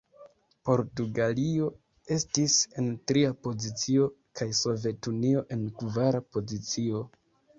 Portugalio estis en tria pozicio, kaj Sovetunio en kvara pozicio.